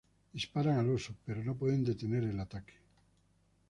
Disparan al oso, pero no pueden detener el ataque.